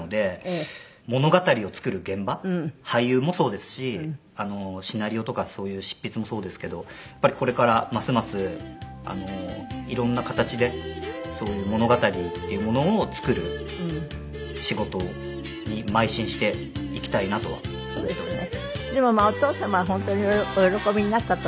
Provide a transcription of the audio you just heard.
物語を作る現場俳優もそうですしシナリオとかそういう執筆もそうですけどやっぱりこれからますますいろんな形でそういう物語っていうものを作る仕事に邁進していきたいなとは思っております。